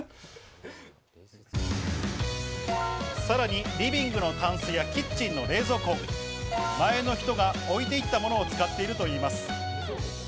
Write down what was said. さらにリビングのタンスやキッチンの冷蔵庫、前の人が置いていったものを使っているといいます。